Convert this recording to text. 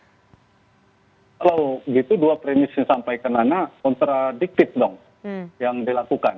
kalau gitu dua premis yang disampaikan nana kontradiktif dong yang dilakukan